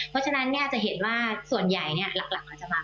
เพราะฉะนั้นจะเห็นว่าส่วนใหญ่หลักจะมาประเทศไทย